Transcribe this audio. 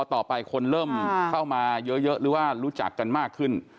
ต่อไปคนเริ่มเข้ามาเยอะหรือว่ารู้จักกันมากขึ้น